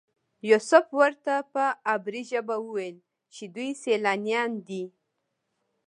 یوسف ورته په عبري ژبه وویل چې دوی سیلانیان دي.